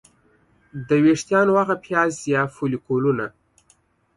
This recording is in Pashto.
د ویښتانو هغه پیاز یا فولیکولونه